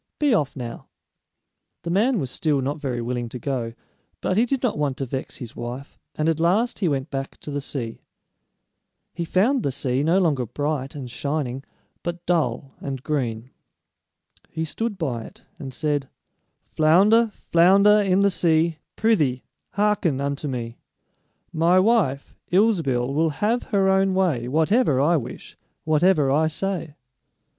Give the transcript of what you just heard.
Be off now!" The man was still not very willing to go, but he did not want to vex his wife, and at last he went back to the sea. He found the sea no longer bright and shining, but dull and green. He stood by it and said: "Flounder, flounder in the sea, Prythee, hearken unto me: My wife, Ilsebil, will have her own way Whatever I wish, whatever I say."